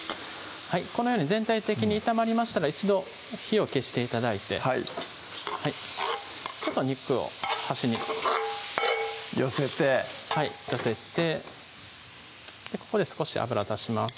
このように全体的に炒まりましたら一度火を消して頂いて肉を端に寄せてはい寄せてここで少し油足します